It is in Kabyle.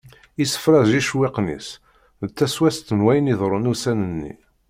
Isefra d yicewwiqen-is d ttaswast n wayen iḍeṛṛun ussan nni.